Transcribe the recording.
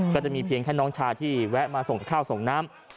ก็จะมีเพียงแค่น้องชายที่แวะมาส่งข้าวส่งน้ำ